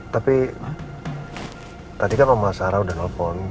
tapi tadi kan mama sarah udah nelfon